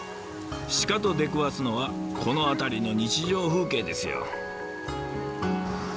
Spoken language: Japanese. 鹿と出くわすのはこの辺りの日常風景ですよ。